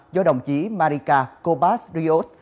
do đồng chí marica cobas rios